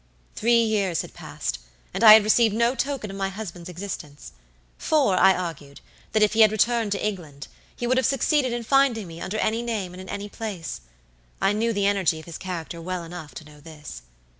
"Three years had passed, and I had received no token of my husband's existence; for, I argued, that if he had returned to England, he would have succeeded in finding me under any name and in any place. I knew the energy of his character well enough to know this.